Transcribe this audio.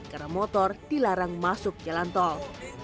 karena motor dilarang masuk jalan tol